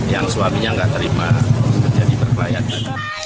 yang suaminya gak terima jadi berkelayanan